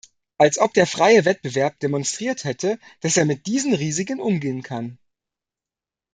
Als ob der freie Wettbewerb demonstriert hätte, dass er mit diesen Risiken umgehen kann!